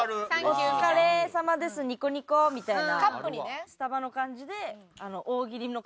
「お疲れさまですニコニコ」みたいな。